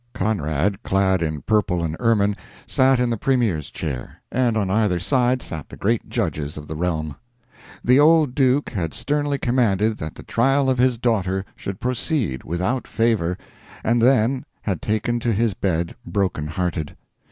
Conrad, clad in purple and ermine, sat in the premier's chair, and on either side sat the great judges of the realm. The old Duke had sternly commanded that the trial of his daughter should proceed, without favor, and then had taken to his bed broken hearted.